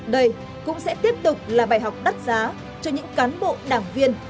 đây cũng sẽ tiếp tục là bài học đắt giá cho những cán bộ đảng viên